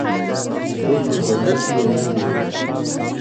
دی په کوټه کې یوازې و.